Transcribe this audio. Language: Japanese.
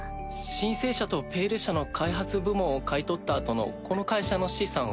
「シン・セー社」と「ペイル社」の開発部門を買い取ったあとのこの会社の資産は？